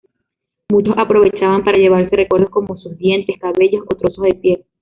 Muchos aprovechaban para llevarse recuerdos como sus dientes, cabellos o trozos de piel.